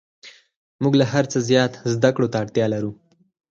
موږ له هر څه زیات زده کړو ته اړتیا لرو